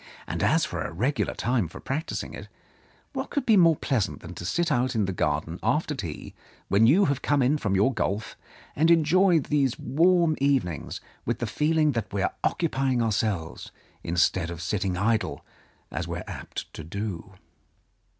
And as for a regular time for practising it, what could be more pleasant than to sit out in the garden after tea, when you have come in from your golf, and enjoy these warm evenings, with the feeling that we are occupying ourselves, instead of sitting idle, as we are apt to do?"